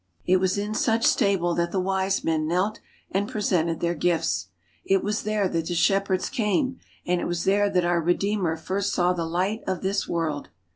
It was in such stable that the Wise Men knelt and pre sented their gifts. It was there that the shepherds came, and it was there that our Redeemer first saw the light of this world.